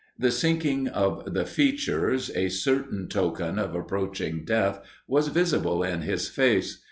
The sinking of the features, a certain token of approaching death, was visible in his face.